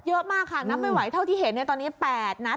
เยอะมากค่ะนับไม่ไหวเท่าที่เห็นตอนนี้๘นัด